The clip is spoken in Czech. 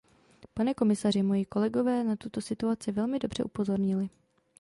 Pane komisaři, moji kolegové na tuto situaci velmi dobře upozornili.